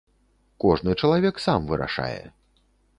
Кожны чалавек сам вырашае.